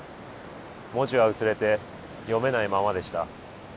文字は薄れて読めないままでした。